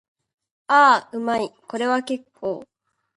ああ、うまい。これは結構。